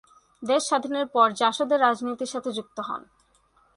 দেশ স্বাধীনের পর জাসদের রাজনীতির সাথে যুক্ত হন।